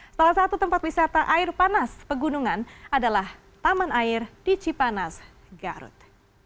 salah satu tempat wisata air panas pegunungan adalah taman air di cipanas garut